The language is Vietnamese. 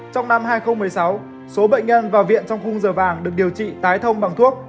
bệnh nhân vào viện trong khung giờ vàng được điều trị tái thông bằng thuốc